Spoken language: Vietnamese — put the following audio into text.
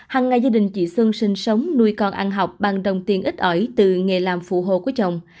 hằng ngày gia đình chị xuân sinh sống nuôi con ăn học bằng đồng tiền ít ỏi từ nghề làm phụ hồ của chồng